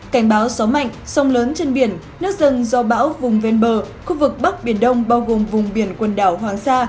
cảnh báo sóng mạnh sóng lớn trên biển nước dần do bão vùng ven bờ khu vực bắc biển đông bao gồm vùng biển quần đảo hoàng sa